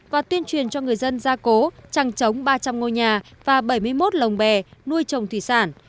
và tuyên truyền cho người dân gia cố trăng trống ba trăm linh ngôi nhà và bảy mươi một lồng bè nuôi trồng thủy sản